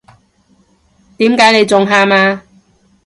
點解你仲喊呀？